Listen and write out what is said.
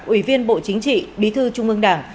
ủy viên bộ chính trị bí thư trung ương đảng